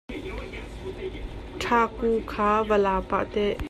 Ṭhaku kha van la pah te .